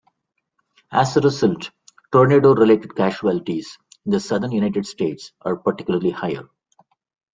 As a result, tornado-related casualties in the southern United States are particularly higher.